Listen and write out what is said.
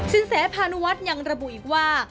แสพานุวัฒน์ยังระบุอีกว่า